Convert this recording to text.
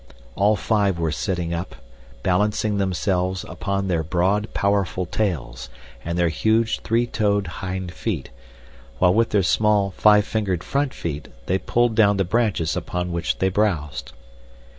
All five were sitting up, balancing themselves upon their broad, powerful tails and their huge three toed hind feet, while with their small five fingered front feet they pulled down the branches upon which they browsed.